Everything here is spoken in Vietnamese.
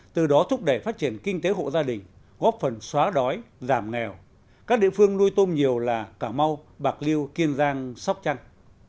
từ đó thúc đẩy phát triển kinh tế hộ gia đình góp phần xóa đói giảm nghèo các địa phương nuôi tôm nhiều là cà mau bạc liêu kiên giang sóc trăng